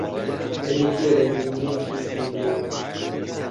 بریتییە لە نموونەیەکی زیندوو